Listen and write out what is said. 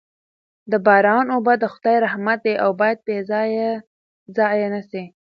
د باران اوبه د خدای رحمت دی او باید بې ځایه ضایع نه سي.